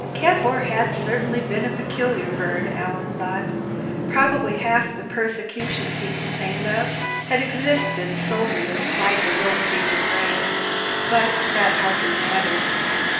Cavour had certainly been a peculiar bird, Alan thought. Probably half the "persecutions" he complained of had existed solely inside his own fevered brain. But that hardly mattered.